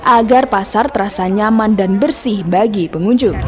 agar pasar terasa nyaman dan bersih bagi pengunjung